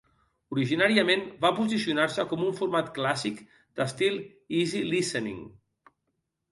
Originàriament, va posicionar-se com un format clàssic d'estil easy listening.